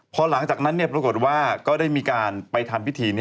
พอหลังจากนั้นปรากฏว่าก็ได้มีการไปทำพิธี